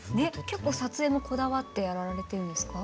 結構撮影もこだわってやられているんですか？